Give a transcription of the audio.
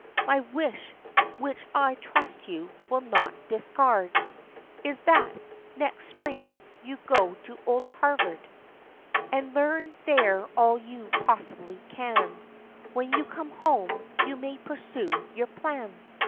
"My wish, which I trust you will not discard, ' Is that, next spring, you go to old Harvard, OF CHANTICLEER. 51 And learn there all you possibly can; When you come home, you may pursue your plan."